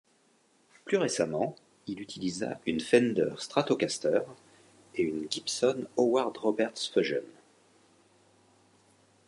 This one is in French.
Plus récemment, il utilisa une Fender Stratocaster et une Gibson Howard Roberts Fusion.